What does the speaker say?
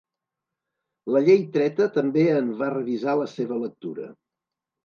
La llei treta també en va revisar la seva lectura.